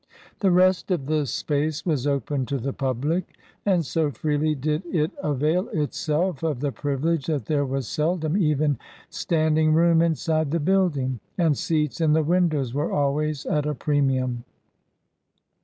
The rest of the space was open to the public, and so freely did it avail itself of the privilege that there was sel dom even standing room inside the building, and seats in the windows were always at a pre mium.